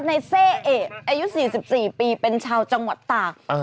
ในเซ่อะอายุสี่สิบสี่ปีเป็นชาวจังวัดตาอ่า